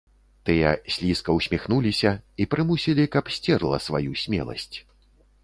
Тыя слізка ўсміхнуліся і прымусілі, каб сцерла сваю смеласць.